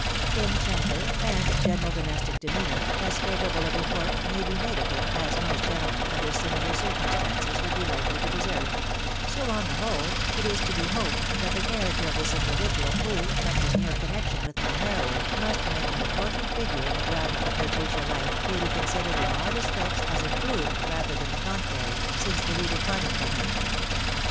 In temper, and general domestic demeanour, as favourable a report may be made of him as most gentlemen under similar circumstances would be hkely to deserve ; so on the whole, it is to be hoped that the character of this individual, who, from his near connection with my heroine, must make an important figure in the drama of her future Hfe, may be consi dered in all respects as improved rather than the contrary, since the reader parted from him.